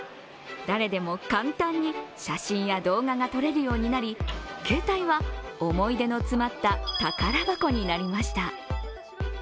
誰でも簡単に写真や動画が撮れるようになりケータイは、思い出の詰まった宝箱になりました。